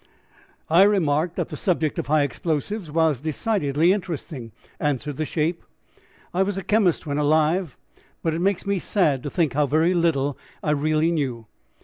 "I remarked that the subject of high explosives was decidedly interesting," answered the shape. "I was a chemist when alive, but it makes me sad to think how very little I really knew.